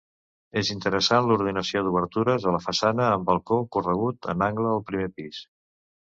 És interessant l'ordenació d'obertures a la façana, amb balcó corregut en angle al primer pis.